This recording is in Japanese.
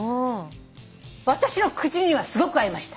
私の口にはすごく合いました。